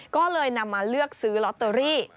ก็เลยนำมาเลือกซื้อลอตเตอรี่